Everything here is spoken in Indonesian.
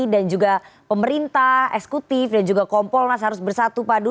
dan juga pemerintah ekskutif dan juga komponas harus bersatu padu